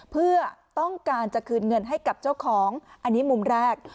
เพื่อต้องการจะคืนเงินให้กับเจ้าของอันนี้มุมแรก